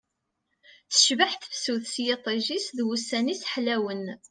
Tecbeḥ tefsut s yiṭij-is d wussan-is ḥlawen